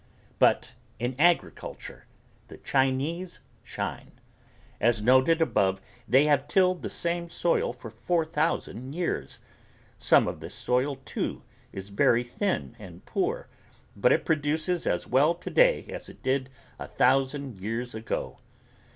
But in agriculture the Chinese shine. As noted above they have tilled the same soil for four thousand years. Some of this soil too is very thin and poor but it produces as well today as it did a thousand years ago.